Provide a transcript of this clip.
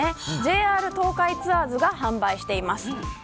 ＪＲ東海ツアーズが販売しています。